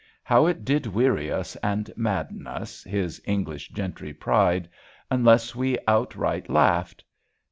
How it did weary us and madden us, his English gentry pride, unless we outright laughed.